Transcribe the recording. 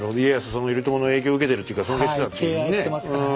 その頼朝の影響を受けてるっていうか尊敬してたっていうもんね。